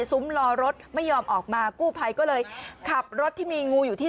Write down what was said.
ซุ้มรอรถไม่ยอมออกมากู้ภัยก็เลยขับรถที่มีงูอยู่ที่